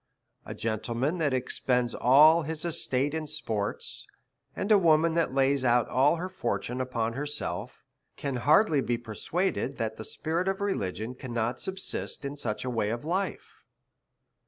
A gentleman that expends all his estate in sports, and a woman that lays out all her fortune upon her self, can hardly be persuaded that the spirit of religion cannot exist in such a way of life.